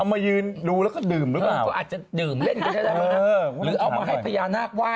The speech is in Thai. เอามายืนดูแล้วก็ดื่มรึเปล่า